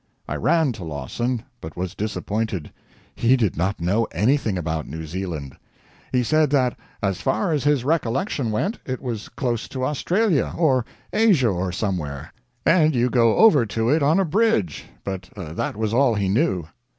I ran to Lawson, but was disappointed. He did not know anything about New Zealand. He said that, as far as his recollection went it was close to Australia, or Asia, or somewhere, and you go over to it on a bridge; but that was all he knew.